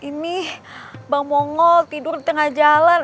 ini bang monggol tidur di tengah jalan